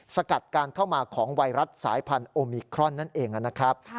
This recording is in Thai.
สกัดการเข้ามาของไวรัสสายพันธุ์โอมิครอนนั่นเองนะครับ